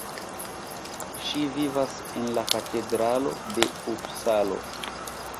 Ŝi vivas en la Katedralo de Upsalo.